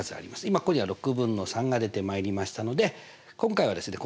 今ここには６分の３が出てまいりましたので今回はですね